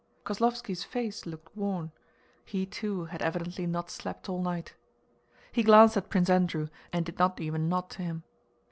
Kozlóvski's face looked worn—he too had evidently not slept all night. He glanced at Prince Andrew and did not even nod to him.